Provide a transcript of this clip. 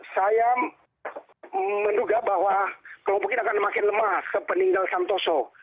saya menduga bahwa kelompok ini akan makin lemah sepeninggal santoso